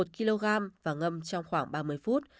một kg và ngâm trong khoảng ba mươi phút